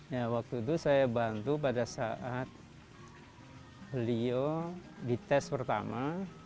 ya waktu itu saya bantu pada saat beliau dites pertama